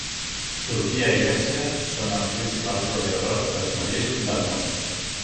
Turquia i Grècia són els principals proveïdors d'esmeril del món.